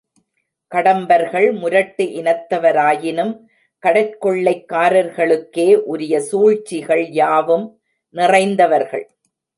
கடம்பர்கள் முரட்டு இனத்தவராயினும் கடற்கொள்ளைக்காரர்களுக்கே உரிய சூழ்ச்சிகள் யாவும் நிறைந்தவர்கள்.